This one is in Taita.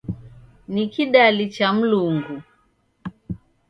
Ni kidali cha Mlungu.